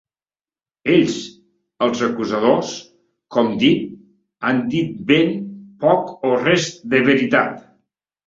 Ells, els acusadors, com dic, han dit ben poc o res de veritat.